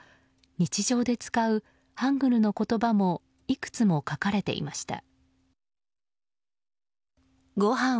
日常で使うハングルの言葉もいくつも書かれていました。